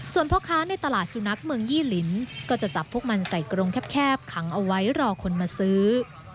ส่วนพ่อค้าในตลาดสุนัขเมืองยี่ลิ้นก็จะจับพวกมันใส่กรงแคบขังเอาไว้รอคนมาซื้อ